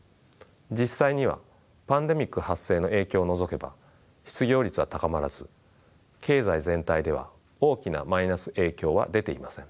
実際にはパンデミック発生の影響を除けば失業率は高まらず経済全体では大きなマイナス影響は出ていません。